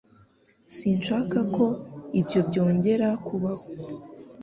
Sinshaka ko ibyo byongera kubaho